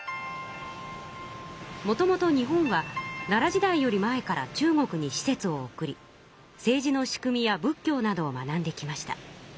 もともと日本は奈良時代より前から中国に使節を送り政治の仕組みや仏教などを学んできました。